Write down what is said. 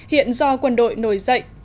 hiện do quân đội nổi dậy chiếm đóng